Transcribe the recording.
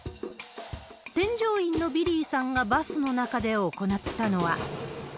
添乗員のビリーさんがバスの中で行ったのは。